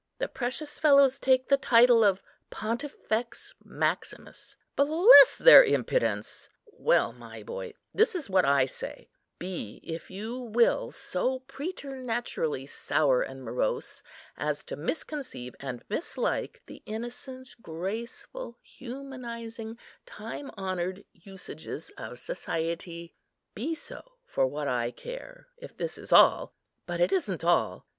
The precious fellows take the title of Pontifex Maximus; bless their impudence! Well, my boy, this is what I say; be, if you will, so preternaturally sour and morose as to misconceive and mislike the innocent, graceful, humanising, time honoured usages of society; be so, for what I care, if this is all; but it isn't all.